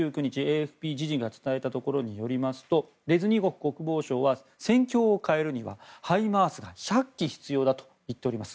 １９日、ＡＦＰ時事が伝えたところによるとレズニコフ国防相は戦況を変えるにはハイマースが１００基必要だと言っております。